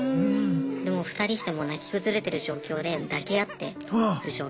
でもう２人してもう泣き崩れてる状況で抱き合ってる状況。